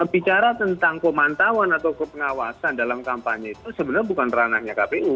bicara tentang pemantauan atau kepengawasan dalam kampanye itu sebenarnya bukan ranahnya kpu